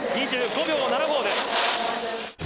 ２５秒７５です。